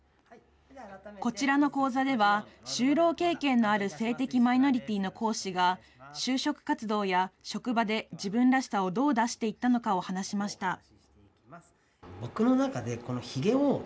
こちらの講座では、就労経験のある性的マイノリティーの講師が、就職活動や、職場で自分らしさをどう出していったのかを話しました。